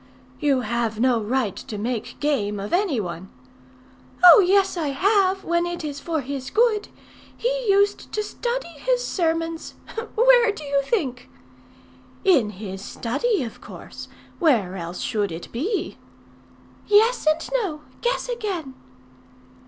"You have no right to make game of anyone." "Oh yes, I have when it is for his good. He used to study his sermons where do you think?" "In his study, of course. Where else should it be?" "Yes and no. Guess again."